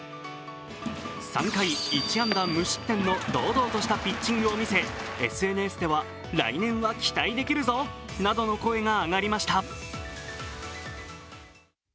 ３回１安打無失点の堂々としたピッチングを見せてＳＮＳでは、来年は期待できるぞなどの声が上がりました。